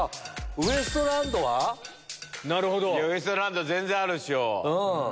ウエストランド全然あるでしょ。